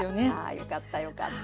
よかったよかった。